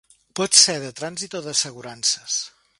Pot ser de trànsit o d'assegurances.